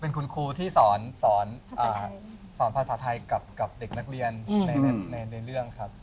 เป็นคุณครูที่สอนภาษาไทยกับเด็กนักเรียนในเรื่องครับ